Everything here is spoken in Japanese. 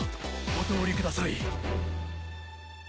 お通りください。